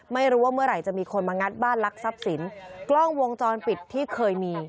ไม่รู้ว่าเมื่อไหร่จะมีคนมางัดบ้านลักทรัพย์สินกล้องวงจรปิดที่เคยมี